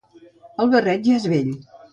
El barret ja és vell.